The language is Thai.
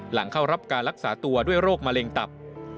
หลังเข้ารับการรักษาตัวด้วยโรคมะเร็งตับ